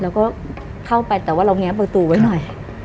เราก็เข้าไปแต่ว่าเราแงะประตูไว้หน่อย